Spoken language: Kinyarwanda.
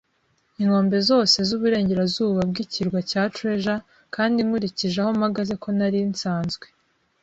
inkombe zose zuburengerazuba bwikirwa cya Treasure, kandi nkurikije aho mpagaze ko nari nsanzwe